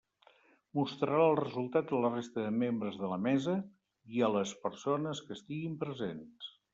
Mostrarà el resultat a la resta de membres de la mesa i a les persones que estiguin presents.